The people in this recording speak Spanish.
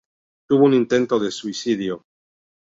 Tuvo un intento de suicidio.